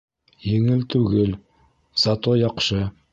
Еңел түгел, зато яҡшы...